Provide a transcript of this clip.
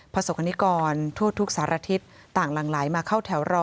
ประสบกรณิกรทั่วทุกสารทิศต่างหลั่งไหลมาเข้าแถวรอ